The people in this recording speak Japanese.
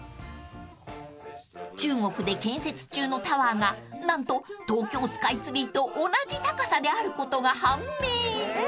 ［中国で建設中のタワーが何と東京スカイツリーと同じ高さであることが判明］